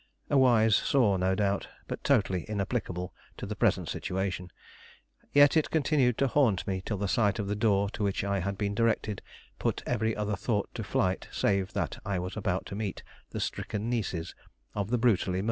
A wise saw, no doubt, but totally inapplicable to the present situation; yet it continued to haunt me till the sight of the door to which I had been directed put every other thought to flight save that I was about to meet the stricken nieces of a brutally murdered man.